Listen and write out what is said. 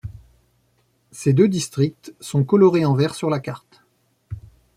Ces deux districts sont colorés en vert sur la carte.